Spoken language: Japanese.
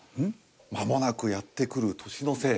まもなくやって来る年の瀬。